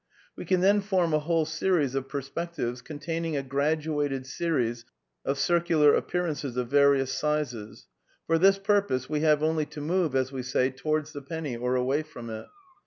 We can then form a whole series of {perspectives containing a graduated series of circular api)earances of various sizes: for this purpose we have only to move (as we say) towards the penny or away from it.